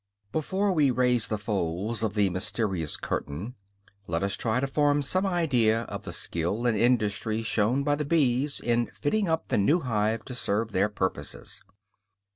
Before we raise the folds of the mysterious curtain, let us try to form some idea of the skill and industry shown by the bees in fitting up the new hive to serve their purposes.